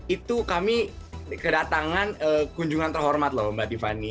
itu kami kedatangan kunjungan terhormat loh mbak tiffany